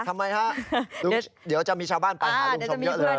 ทำไมฮะลุงเดี๋ยวจะมีชาวบ้านไปหาลุงชมเยอะเลย